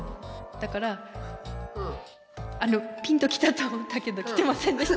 だからあのピンときたと思ったけどきてませんでした。